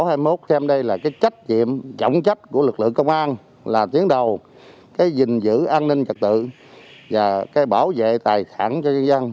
chúng ta xem đây là trách nhiệm trọng trách của lực lượng công an là tiến đầu giữ an ninh trật tự và bảo vệ tài khoản cho nhân dân